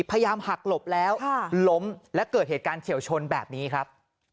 พยายามหักหลบแล้วล้มและเกิดเหตุการณ์เฉียวชนแบบนี้ครับ